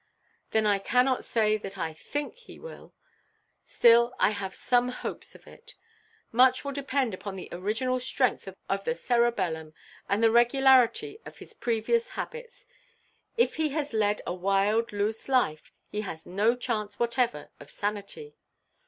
"Then I cannot say that I think he will. Still, I have some hopes of it. Much will depend upon the original strength of the cerebellum, and the regularity of his previous habits. If he has led a wild, loose life, he has no chance whatever of sanity."